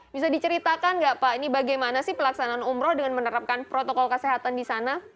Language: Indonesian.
bisa diceritakan nggak pak ini bagaimana sih pelaksanaan umroh dengan menerapkan protokol kesehatan di sana